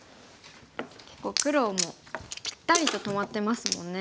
結構黒もぴったりと止まってますもんね。